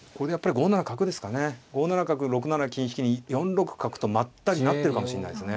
５七角６七金引に４六角とまったり成ってるかもしれないですね。